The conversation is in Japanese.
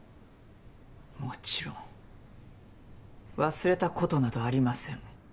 もちろん忘れたことなどありません。